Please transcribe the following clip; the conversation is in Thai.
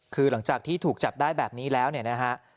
คือหลังจากที่ถูกจับได้แบบนี้แล้วเนี่ยนะฮะ